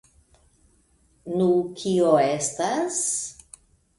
Nu, kio estas?